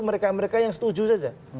mereka mereka yang setuju saja